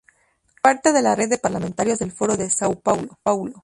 Parte de la Red de Parlamentarios del Foro de São Paulo.